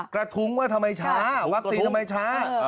กระทุ้งว่าทำไมช้าวัคซีนทำไมช้า